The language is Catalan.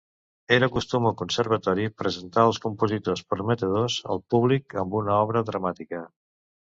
Era costum al conservatori presentar els compositors prometedors al públic amb una obra dramàtica.